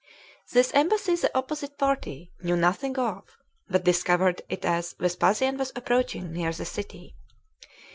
This embassy the opposite party knew nothing of, but discovered it as Vespasian was approaching near the city.